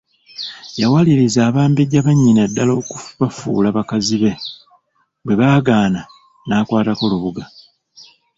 Yawaliriza Abambejja bannyina ddala okubafuula bakazi be, bwe baagaana nakwatako Lubuga.